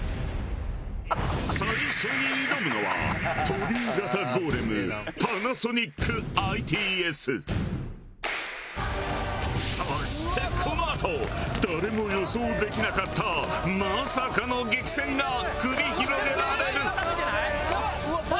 最初に挑むのは鳥居型ゴーレムそしてこのあと誰も予想できなかったまさかの激戦が繰り広げられる！